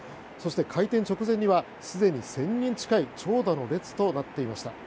そして、開店直前にはすでに１０００人近い長蛇の列となっていました。